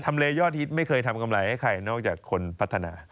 เลยอดฮิตไม่เคยทำกำไรให้ใครนอกจากคนพัฒนา